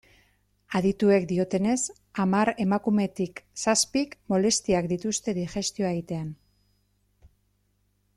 Adituek diotenez, hamar emakumetik zazpik molestiak dituzte digestioa egitean.